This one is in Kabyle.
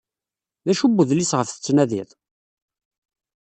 D acu n udlis ɣef tettnadiḍ?